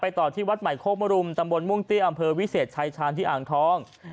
ต่อที่วัดใหม่โคกมรุมตำบลม่วงเตี้ยอำเภอวิเศษชายชาญที่อ่างทอง